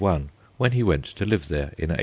I, when he went to live there in 1840.